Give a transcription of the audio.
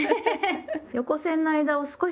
横線の間を少し詰めて。